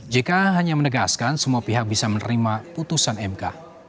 jk hanya menegaskan semua pihak bisa menerima putusan mk